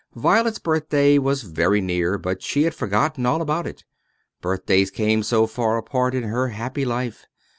Violet's birthday was very near; but she had forgotten all about it, birthdays came so far apart in her happy life.